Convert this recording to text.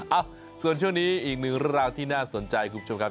เอ้าส่วนช่วงนี้อีกหนึ่งราวที่น่าสนใจคุณผู้ชมครับ